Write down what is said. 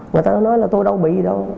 người ta nói là tôi đâu bị gì đâu